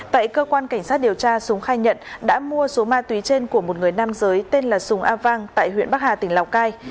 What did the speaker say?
tại cơ quan cảnh sát điều tra súng khai nhận đã mua số ma túy trên của một người nam giới tên là sùng a vang tại huyện bắc hà tỉnh lào cai